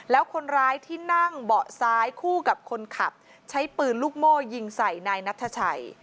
แล้วคนร้ายที่นั่งเบาะซ้ายคู่กับคนขับใช้ปืนลูกโม่ยิงใส่นายนัทชัย